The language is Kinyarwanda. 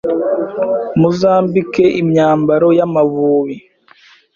muzambike imyambaro y'Amavubi